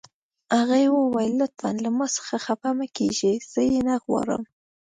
هغې وویل: لطفاً له ما څخه خفه مه کیږئ، زه یې نه غواړم.